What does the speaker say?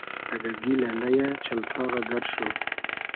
اگۂ گیلۂ ، لئیۂ ، چئلتاغۂ گئۮ شو